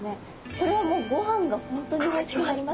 これはもうごはんが本当に欲しくなりますね。